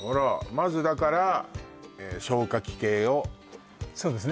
まずだから消化器系をそうですね